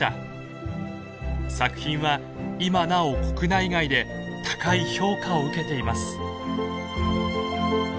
作品は今なお国内外で高い評価を受けています。